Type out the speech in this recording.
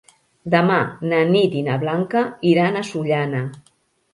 Demà na Nit i na Blanca iran a Sollana.